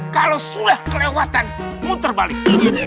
kalau sudah kelewatan muter balik